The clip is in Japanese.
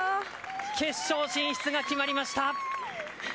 決勝進出が決まりました。